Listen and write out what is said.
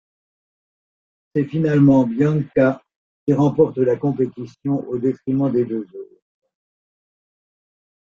C'est finalement Bianca qui remporte la compétition au détriment des deux autres.